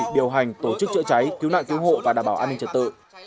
điều hành tổ chức chữa cháy cứu nạn cứu hộ và đảm bảo an ninh trật tự